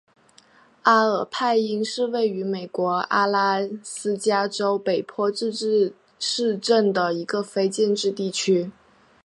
阿尔派因是位于美国阿拉斯加州北坡自治市镇的一个非建制地区。